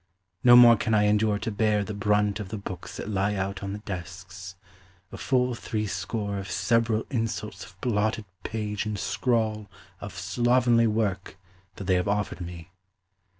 No more can I endure to bear the brunt Of the books that lie out on the desks: a full three score Of several insults of blotted page and scrawl Of slovenly work that they have offered me.